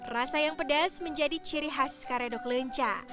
rasa yang pedas menjadi ciri khas karedok lenca